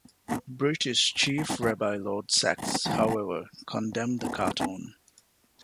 British Chief Rabbi Lord Sacks, however, condemned the cartoon.